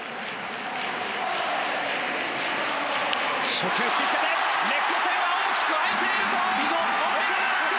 初球引きつけてレフト線は大きく空いているぞ！